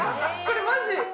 これマジ。